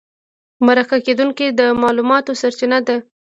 مرکه کېدونکی د معلوماتو سرچینه ده.